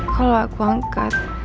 kalau aku angkat